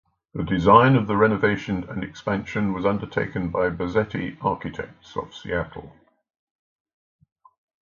The design of the renovation and expansion was undertaken by Bassetti Architects of Seattle.